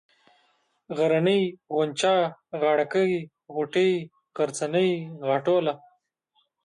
غرنۍ ، غونچه ، غاړه كۍ ، غوټۍ ، غرڅنۍ ، غاټوله